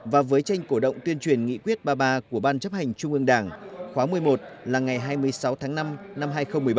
và với tranh cổ động tuyên truyền nghị quyết ba mươi ba của ban chấp hành trung ương đảng khóa một mươi một là ngày hai mươi sáu tháng năm năm hai nghìn một mươi bảy